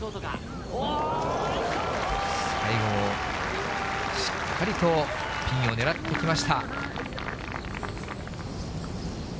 最後もしっかりとピンを狙ってきました。